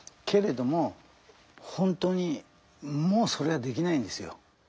けれども本当にもうそれはできないんですよ。